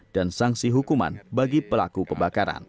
dan sanksi hukuman bagi pelaku kebakaran